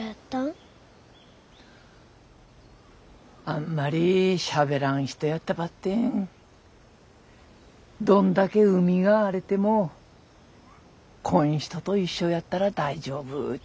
あんまりしゃべらん人やったばってんどんだけ海が荒れてもこん人と一緒やったら大丈夫っ